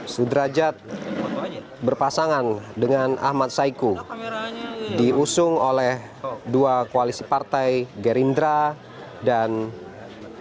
sudrajat berpasangan dengan ahmad saiku diusung oleh dua koalisi partai gerindra dan pks